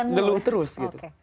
ngeluh terus gitu